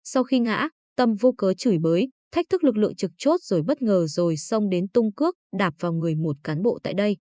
sau khi ngã tâm vô cớ chửi bới thách thức lực lượng trực chốt rồi bất ngờ rồi xông đến tung cước đạp vào người một cán bộ tại đây